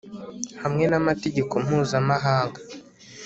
hamwe n'amategeko mpuzamahanga